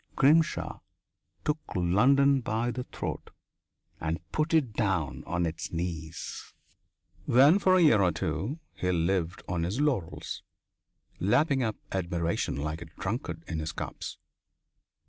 Grimshaw took London by the throat and put it down on its knees. Then for a year or two he lived on his laurels, lapping up admiration like a drunkard in his cups.